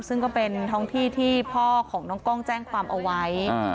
ซึ่งก็เป็นท้องที่ที่พ่อของน้องกล้องแจ้งความเอาไว้